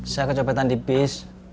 saya kecopetan dipis